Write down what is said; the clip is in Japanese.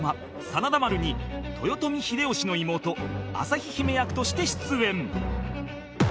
『真田丸』に豊臣秀吉の妹旭姫役として出演